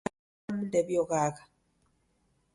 W'ana w'amu ndew'ioghagha